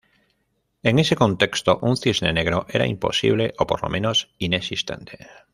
En ese contexto, un cisne negro era imposible o por lo menos inexistente.